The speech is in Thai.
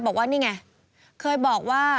บอกว่านี่ไงเคยบอกว่า